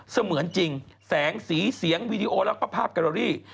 เสมือนจริงแสงสีเสียงวีดีโอแล้วก็ภาพการอรี่